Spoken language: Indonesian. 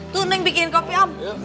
tuh neng bikinin kopi om